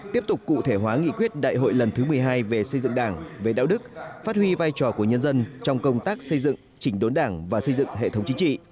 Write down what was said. tiếp tục cụ thể hóa nghị quyết đại hội lần thứ một mươi hai về xây dựng đảng về đạo đức phát huy vai trò của nhân dân trong công tác xây dựng chỉnh đốn đảng và xây dựng hệ thống chính trị